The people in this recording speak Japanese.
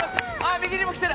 右にも来てる！